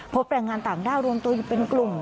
แรงงานต่างด้าวรวมตัวอยู่เป็นกลุ่ม